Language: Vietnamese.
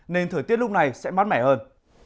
nên thời tiết lúc này sẽ mát mẻ hơn